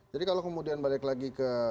jadi kalau kemudian balik lagi ke